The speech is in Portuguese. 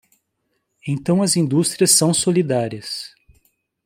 Então as indústrias são solidárias.